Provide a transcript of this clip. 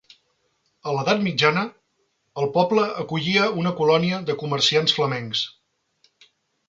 A l'Edat Mitjana, el poble acollia una colònia de comerciants flamencs.